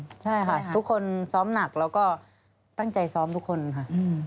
ใช่ค่ะทุกคนซ้อมหนักแล้วก็ตั้งใจซ้อมทุกคนค่ะ